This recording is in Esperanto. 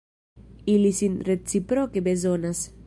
Ili sin reciproke bezonas.